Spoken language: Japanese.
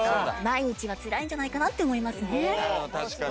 毎日はつらいんじゃないかなって思いますね。